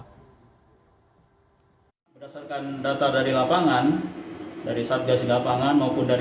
gempa juga terasa di berbagai wilayah di luar kepulauan mentawai